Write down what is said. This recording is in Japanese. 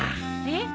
えっ？